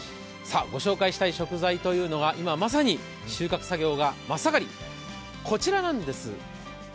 ご紹介したい食材というのが今まさに収穫作業が真っ盛りこちらなんです。